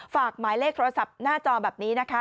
หมายเลขโทรศัพท์หน้าจอแบบนี้นะคะ